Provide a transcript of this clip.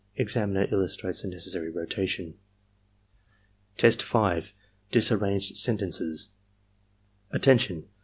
(Examiner illustrates the necessary rotation.) Test 5. — ^Disarranged Sentences "Attention!